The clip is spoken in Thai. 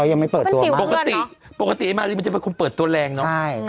ดูนด้านเองย้าสีลงรูปน่ารักมากเลย